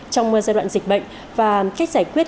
trong giai đoạn dịch bệnh và cách giải quyết